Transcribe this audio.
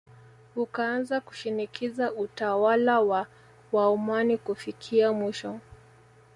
Ukaanza kushinikiza utawala wa Waomani Kufikia mwisho